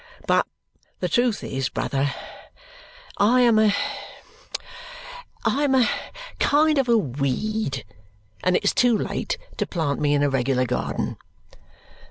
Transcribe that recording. "But the truth is, brother, I am a I am a kind of a weed, and it's too late to plant me in a regular garden."